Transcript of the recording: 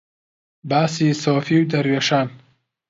باسی سۆفی و دەروێشان